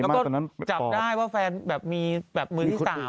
แล้วก็จับได้ว่าแฟนมีมือที่ต่ำ